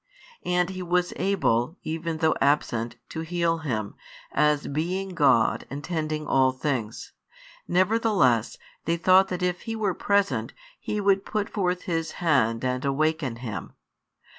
And He was able, even though absent, to heal him, as being God and tending all things; nevertheless, they thought that if He were present, He would put forth His hand and awaken him.